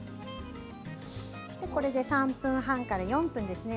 これで３分半から４分ですね。